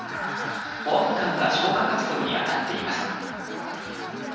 保安官が消火活動に当たっています。